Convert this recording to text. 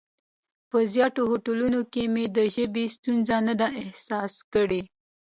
په زیاترو هوټلونو کې مې د ژبې ستونزه نه ده احساس کړې.